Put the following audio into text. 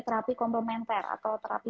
terapi komplementer atau terapi